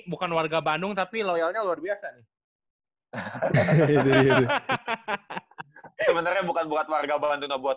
bukan warga bandung tapi loyalnya luar biasa nih sebenarnya bukan buat warga bandung tuh buat